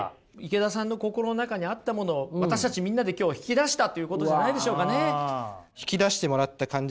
池田さんの心の中にあったものを私たちみんなで今日引き出したということじゃないでしょうかね。